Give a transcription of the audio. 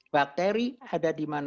bakteri ada di mana